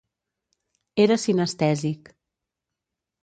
Era sinestèsic.